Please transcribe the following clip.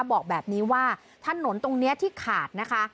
บอกแบบนี้ว่าถนนตรงนี้ที่ขาดนะคะ